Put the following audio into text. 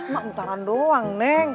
ma mutaran doang neng